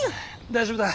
大丈夫だ。